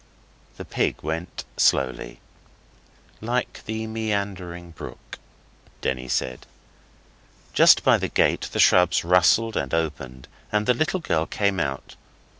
The pig went slowly, 'Like the meandering brook,' Denny said. Just by the gate the shrubs rustled and opened, and the little girl came out.